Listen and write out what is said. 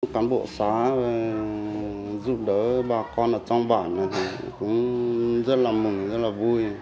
quá giúp đỡ bà con ở trong bản này cũng rất là mừng rất là vui